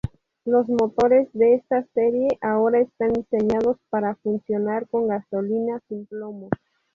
Los motores de esta serie ahora están diseñados para funcionar con gasolina sin plomo.